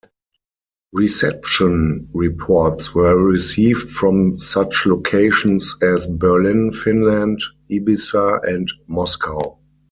Reception reports were received from such locations as Berlin, Finland, Ibiza, and Moscow.